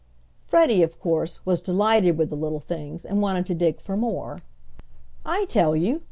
Freddie, of course, was delighted with the little things, and wanted to dig for more. "I tell you!"